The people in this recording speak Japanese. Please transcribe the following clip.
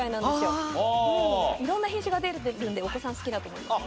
色んな品種が出てるんでお子さん好きだと思います。